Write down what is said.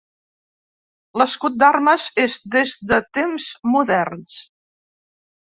L'escut d'armes és des de temps moderns.